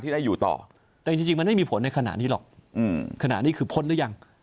แต่จริงจะจริงมันไม่มีผลในขณะนี้หรอกขณะนี้คือพ้นหรือยัง